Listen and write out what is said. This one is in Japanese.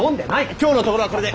今日のところはこれで！